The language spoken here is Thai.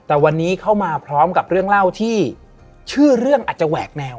แต่วันนี้เข้ามาพร้อมกับเรื่องเล่าที่ชื่อเรื่องอาจจะแหวกแนว